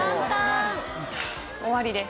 終わりです。